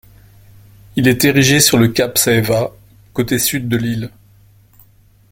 Il est érigé sur le cap Saeva, côté sud de l'île.